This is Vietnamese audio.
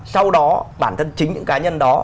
sau đó bản thân chính những cá nhân đó